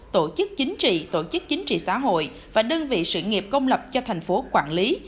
tổ chức chính trị tổ chức chính trị xã hội và đơn vị sự nghiệp công lập cho thành phố quản lý